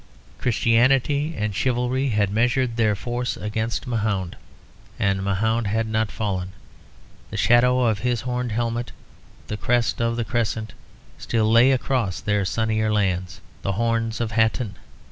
Christianity and chivalry had measured their force against Mahound, and Mahound had not fallen; the shadow of his horned helmet, the crest of the Crescent, still lay across their sunnier lands; the Horns of Hattin.